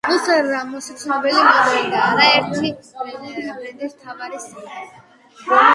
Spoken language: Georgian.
ლუსელ რამოსი ცნობილი მოდელი და არერთი ბრენდის მთავარი სახე იყო.